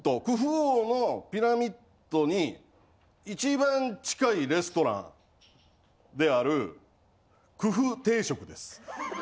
王のピラミッドに一番近いレストランであるクフ定食です。